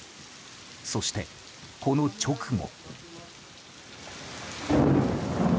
そして、この直後。